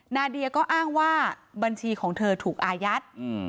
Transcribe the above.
นาเดียก็อ้างว่าบัญชีของเธอถูกอายัด